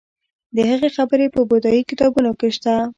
د هغه خبرې په بودايي کتابونو کې شته